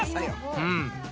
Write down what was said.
うん。